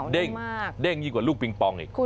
เด้งเกินเร็วกว่าลูกปิงปองอีก